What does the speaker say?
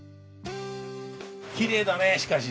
きれいだねしかしね。